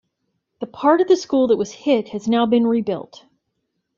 The part of the school that was hit has now been rebuilt.